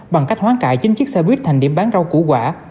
bằng cách hoán cại chính chiếc xe buýt thành điểm bán rau củ quả